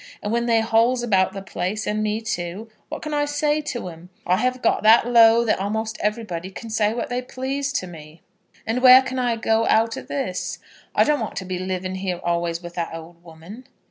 And when they hauls about the place, and me too, what can I say to 'em? I have got that low that a'most everybody can say what they please to me. And where can I go out o' this? I don't want to be living here always with that old woman."